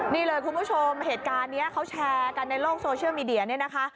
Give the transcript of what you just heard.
นี่เลยคุณผู้ชมเหตุการณ์นี้เขาแชร์กันในโลกโซเชียลมีเดียเนี่ยนะคะ